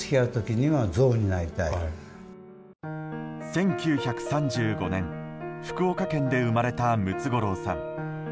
１９３５年、福岡県で生まれたムツゴロウさん。